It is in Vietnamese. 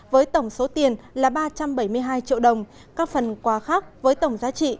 với tổng số tiền là ba trăm bảy mươi hai triệu đồng các phần quà khác với tổng giá trị